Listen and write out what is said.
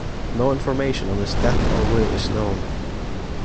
No information on his death or will is known.